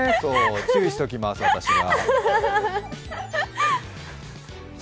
注意しておきます、私が。